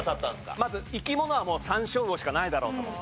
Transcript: まず生き物はもうサンショウウオしかないだろうと思って。